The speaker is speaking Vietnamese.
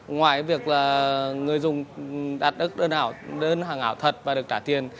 ngoài việc là người dùng đặt đơn hàng ảo thật và được trả tiền